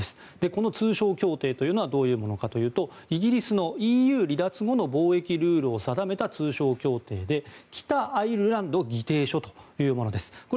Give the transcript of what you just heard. この通商協定というのはどういうものかというとイギリスのＥＵ離脱後の貿易ルールを定めた通商協定で北アイルランド議定書というものです。